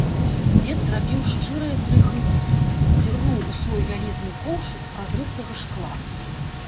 Дзед зрабіў шчырыя тры глыткі, зірнуў у свой вялізны коўш з празрыстага шкла.